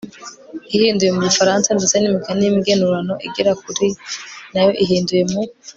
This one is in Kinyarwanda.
ihinduye mu gifaransa, ndetse n'imigani y'imigenurano igera kuri na yo ihinduye mu